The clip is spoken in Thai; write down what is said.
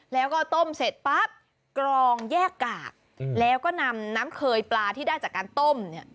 แล้วก็ต้มเสร็จปั๊บกรองแยกกากแล้วก็นำน้ำเคยปลาที่ได้จากการต้มเนี่ย